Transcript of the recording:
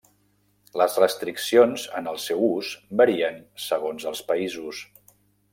Les restriccions en el seu ús varien segons els països.